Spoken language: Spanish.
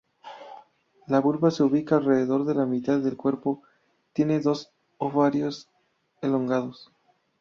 La vulva se ubica alrededor de la mitad del cuerpo; tiene dos ovarios elongados.